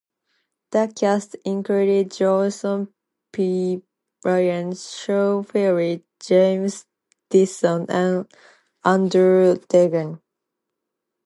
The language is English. The cast includes John P. Ryan, Sharon Farrell, James Dixon, and Andrew Duggan.